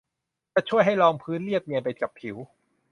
จะช่วยให้รองพื้นเรียบเนียนไปกับผิว